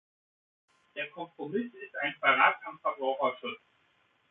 Der Kompromiss ist ein Verrat am Verbraucherschutz!